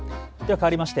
かわりまして＃